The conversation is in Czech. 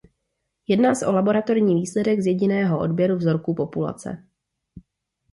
Jedná se o laboratorní výsledek z jediného odběru vzorků populace.